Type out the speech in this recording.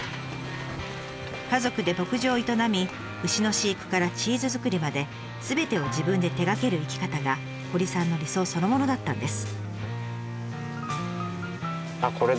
家族で牧場を営み牛の飼育からチーズ作りまですべてを自分で手がける生き方が堀さんの理想そのものだったんです。